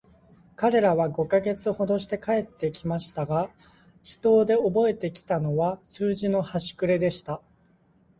彼等は五ヵ月ほどして帰って来ましたが、飛島でおぼえて来たのは、数学のはしくれでした。